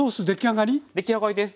出来上がりです。